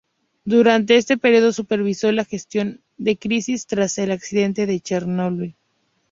Durante este período supervisó la gestión de crisis tras el accidente de Chernóbil.